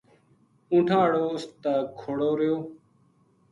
اونٹھاں ہاڑو اُس تا کھڑو رہیو